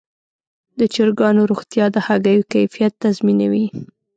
د چرګانو روغتیا د هګیو کیفیت تضمینوي.